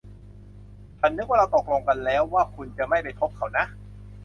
ฉันนึกว่าเราตกลงกันแล้วว่าคุณจะไม่ไปพบเขานะ